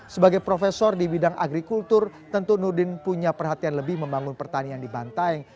sebagai profesor di bidang agrikultur tentu nurdin punya perhatian lebih membangun pertanian di bantaeng